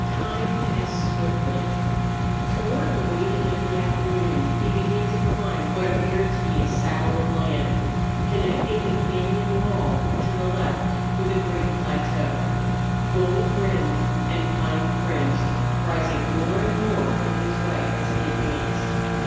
Time passed swiftly. Toward the waning of the afternoon he began to climb what appeared to be a saddle of land, connecting the cañon wall on the left with a great plateau, gold rimmed and pine fringed, rising more and more in his way as he advanced.